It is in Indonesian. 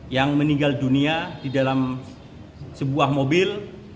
yang meninggal dunia di dalam sebuah mobil